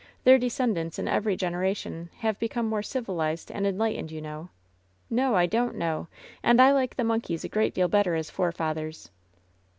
Their descendants in every generation have become more civilized and enlightened, you know." "No, I don't know. And I like the monkeys a great deal better as forefathers